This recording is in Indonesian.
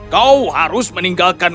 kau harus meninggalkan